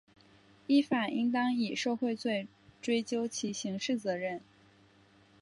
依法应当以受贿罪追究其刑事责任